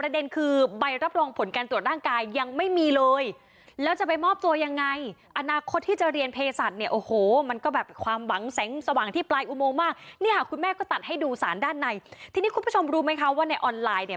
ดูสารด้านในที่นี้คุณผู้ชมรู้ไหมคะว่าในออนไลน์เนี่ย